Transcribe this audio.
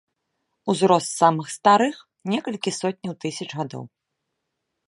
Узрост самых старых некалькі сотняў тысяч гадоў.